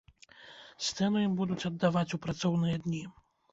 Сцэну ім будуць аддаваць у працоўныя дні!